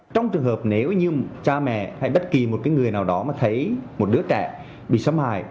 trong trường hợp nếu như cha mẹ hay bất kỳ một cái người nào đó mà thấy một đứa trẻ bị xâm hại